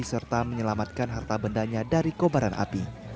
serta menyelamatkan harta bendanya dari kobaran api